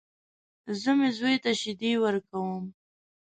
زه مې زوی ته شيدې ورکوم.